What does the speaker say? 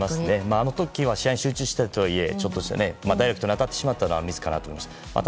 あの時は試合に集中していたとはいえダイレクトに当たってしまったのはミスかなと思いました。